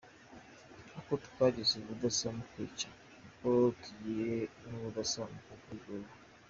Uko twagize ubudasa mu kwica, niko tugira n’ubudasa mu kuvura.